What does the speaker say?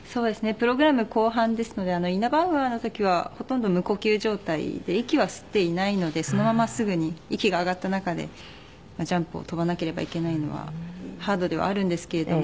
プログラム後半ですのでイナバウアーの時はほとんど無呼吸状態で息は吸っていないのでそのまますぐに息が上がった中でジャンプを跳ばなければいけないのはハードではあるんですけれども。